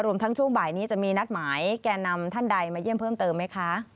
ทั้งช่วงบ่ายนี้จะมีนัดหมายแก่นำท่านใดมาเยี่ยมเพิ่มเติมไหมคะ